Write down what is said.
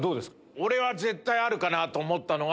俺は絶対あるかなぁと思ったのは。